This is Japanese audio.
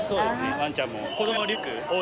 ワンちゃんも。